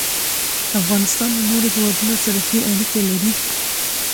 افغانستان له نورو هېوادونو سره ښې اړیکې لري.